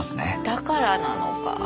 だからなのか？